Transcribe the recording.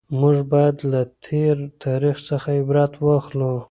موږ باید له تېر تاریخ څخه عبرت واخلو.